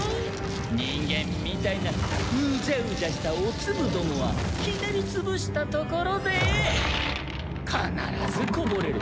人間みたいなうじゃうじゃしたおツブ共はひねり潰したところで必ずこぼれる。